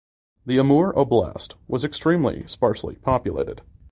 The Amur Oblast was extremely sparsely populated.